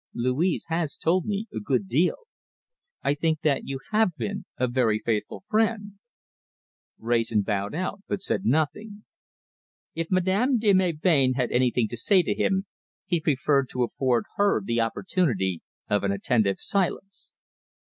"Louise has told me a good deal. I think that you have been a very faithful friend." Wrayson bowed but said nothing. If Madame de Melbain had anything to say to him, he preferred to afford her the opportunity of an attentive silence.